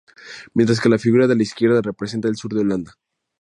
Mientras que la figura de la izquierda representa el sur de Holanda.